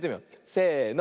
せの。